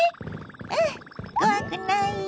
うん怖くないよ！